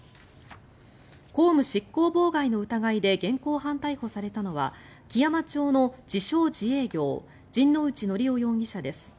公務執行妨害の疑いで現行犯逮捕されたのは基山町の自称・自営業陣内規雄容疑者です。